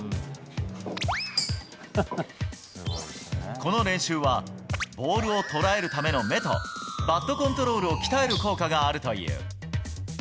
この練習はボールを捉えるための目とバットコントロールを鍛える効果があるという。